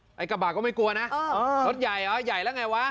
ไอ้กระบะก็ไม่กลัวนะรถใหญ่เหรอใหญ่แล้วไงวะ